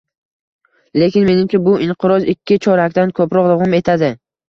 Lekin menimcha, bu inqiroz ikki chorakdan ko'proq davom etadi